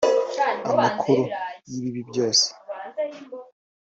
amakuru y'ibibi byose